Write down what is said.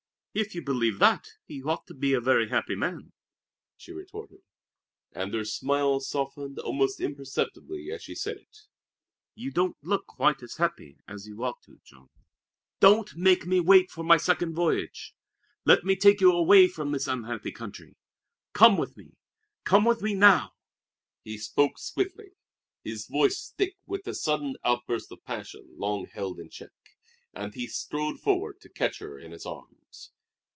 "If you believe that, you ought to be a very happy man," she retorted, and her smile softened almost imperceptibly as she said it. "You don't look quite as happy as you ought to, Jean!" "Don't make me wait for my second voyage! Let me take you away from this unhappy country. Come with me come with me now!" He spoke swiftly, his voice thick with the sudden outburst of passion long held in check; and he strode forward to catch her in his arms.